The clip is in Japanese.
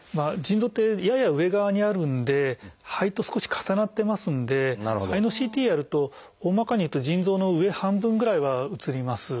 腎臓ってやや上側にあるんで肺と少し重なってますんで肺のＣＴやると大まかにいうと腎臓の上半分ぐらいは写ります。